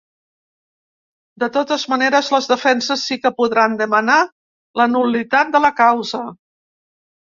De totes maneres, les defenses sí que podran demanar la nul·litat de la causa.